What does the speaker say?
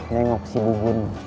nengok si bubun